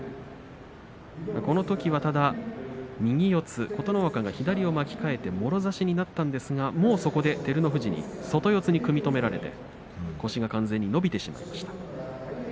このときは、ただ右四つ琴ノ若が左を巻き替えてもろ差しになったんですが、そこで照ノ富士に外四つに組み止められて腰が完全に伸びてしまいました。